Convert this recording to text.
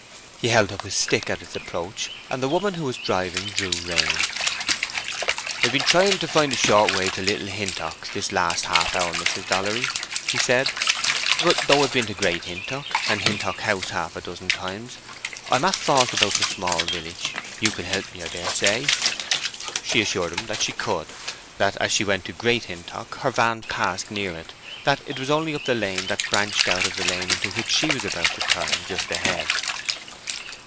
He held up his stick at its approach, and the woman who was driving drew rein. "I've been trying to find a short way to Little Hintock this last half hour, Mrs. Dollery," he said. "But though I've been to Great Hintock and Hintock House half a dozen times I am at fault about the small village. You can help me, I dare say?" She assured him that she could—that as she went to Great Hintock her van passed near it—that it was only up the lane that branched out of the lane into which she was about to turn—just ahead.